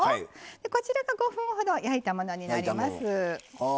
こちらが５分ほど焼いたものになります。